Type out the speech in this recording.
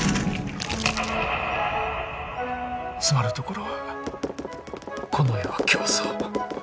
詰まるところはこの世は競争。